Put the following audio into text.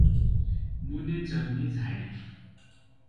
मुने चर्ने झाडी ।